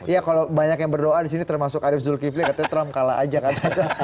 ya kalau banyak yang berdoa di sini termasuk arief zulkifli katanya trump kalah aja katanya